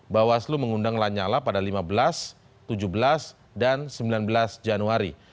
bawaslu mengundang lanyala pada lima belas tujuh belas dan sembilan belas januari